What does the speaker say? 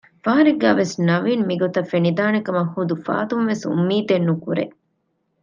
ފަހަރެއްގައިވެސް ނަވީން މިގޮތަށް ފެނިދާނެކަމަށް ޙުދު ފާތުންވެސް އުއްމީދެއް ނުކުރޭ